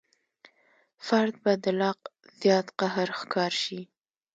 فرد به د لا زیات قهر ښکار شي.